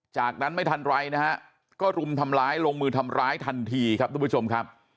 จากนั้นไม่ทันไรนะฮะก็รุมทำร้ายลงมือทำร้ายทันทีครับทุกผู้ชมครับ